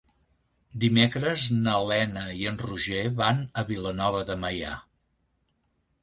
Dimecres na Lena i en Roger van a Vilanova de Meià.